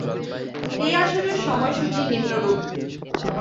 এই আসরের সময়সূচী নিম্নরূপ।